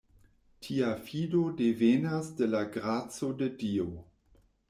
Tia fido devenas de la graco de Dio.